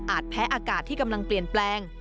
แพ้อากาศที่กำลังเปลี่ยนแปลง